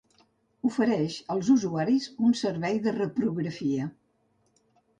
Ofereix als usuaris un servei de reprografia.